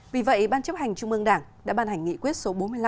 vì vậy ban chấp hành trung ương đảng đã ban hành nghị quyết số bốn mươi năm